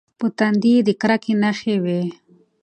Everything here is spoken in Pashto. په تندي یې د کرکې نښې وې.